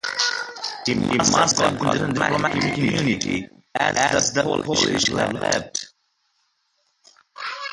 He must have gotten diplomatic immunity as the police have left.